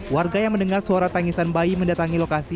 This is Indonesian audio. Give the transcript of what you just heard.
warga yang mendengar suara tangisan bayi mendatangi lokasi